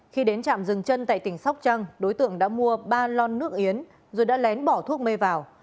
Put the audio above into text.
khi đến trạm rừng chân tại tỉnh sóc trăng đối tượng đã mua ba lon nước yến rồi đã lén bỏ thuốc mê vào